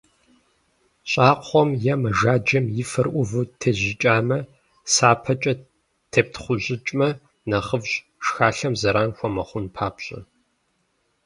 Щӏакхъуэм е мэжаджэм и фэр ӏуву тежьыкӏамэ, сапэкӏэ тептхъунщӏыкӏмэ нэхъыфӏщ, шхалъэм зэран хуэмыхъун папщӏэ.